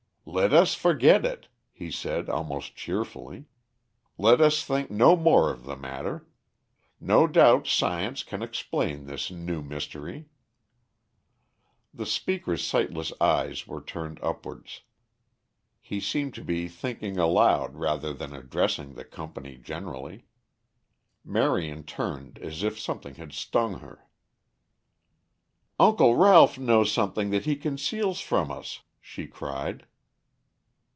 "Let us forget it," he said almost cheerfully. "Let us think no more of the matter. No doubt, science can explain this new mystery." The speaker's sightless eyes were turned upwards; he seemed to be thinking aloud rather than addressing the company generally. Marion turned as if something had stung her. "Uncle Ralph knows something that he conceals from us," she cried.